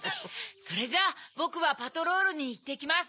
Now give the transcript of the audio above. それじゃあぼくはパトロールにいってきます。